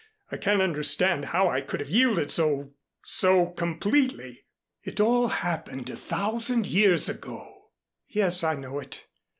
I can't understand how I could have yielded so so completely." "It all happened a thousand years ago." "Yes, I know it.